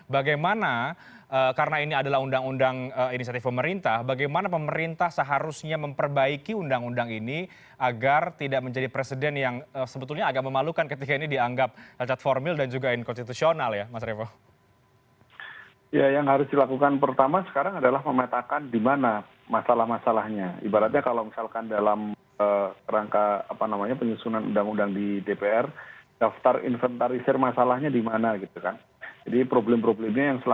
bagaimana karena ini adalah undang undang inisiatif pemerintah bagaimana pemerintah seharusnya memperbaiki undang undang ini agar tidak menjadi presiden yang sebetulnya agak memalukan ketika ini dianggap sesat formil dan juga inkonstitusional